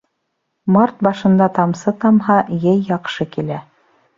Март башында тамсы тамһа, йәй яҡшы килә.